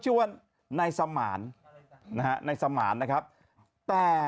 ฮ่าฮ่าฮ่าฮ่าฮ่า